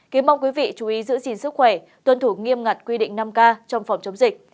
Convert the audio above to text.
kính mong quý vị chú ý giữ gìn sức khỏe tuân thủ nghiêm ngặt quy định năm k trong phòng chống dịch